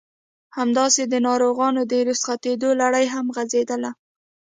همداسې د ناروغانو د رخصتېدو لړۍ هم غزېدله.